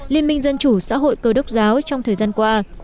liên minh dân chủ xã hội cơ đốc giáo trong thời gian qua